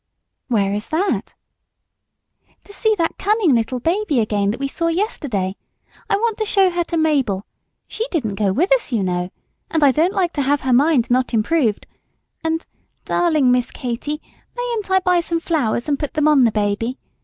"Where is that!" "To see that cunning little baby again that we saw yesterday. I want to show her to Mabel, she didn't go with us, you know, and I don't like to have her mind not improved; and, darling Miss Katy, mayn't I buy some flowers and put them on the Baby?